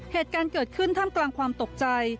เหตุการณ์เกิดขึ้นท่ามกลางความตกใจ